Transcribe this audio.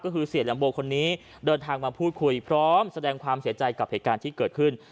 ก็คือเสียลัมโบคนนี้เดินทางมาพูดคุยพร้อมแสดงความเสียใจกับเหตุการณ์ที่เกิดขึ้น